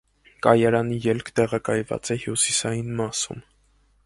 Կայարանի ելք տեղակայված է հյուսիսային մասում։